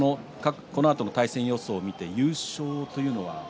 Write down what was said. このあとの対戦予想を見て優勝というのは？